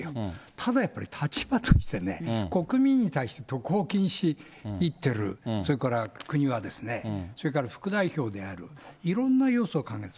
ただやっぱり、立場としてね、国民に対して渡航禁止、行ってる、それから国はですね、それから副代表である、いろんな要素が考えられる。